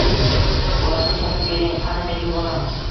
Bolamni topib bering, qani mening bolam